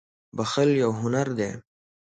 • بښل یو هنر دی.